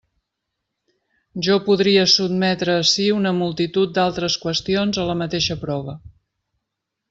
Jo podria sotmetre ací una multitud d'altres qüestions a la mateixa prova.